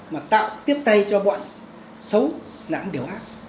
mà tạo tiếp tay cho bọn xấu làm điều ác